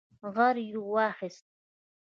غريو واخيست.